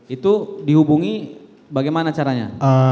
itu dihubungi bagaimana caranya